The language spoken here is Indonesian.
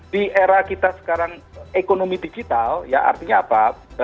di era kita sekarang ekonomi digital ya artinya apa